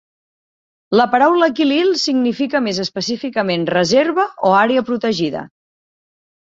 La paraula "kilil" significa més específicament "reserva" o "àrea protegida".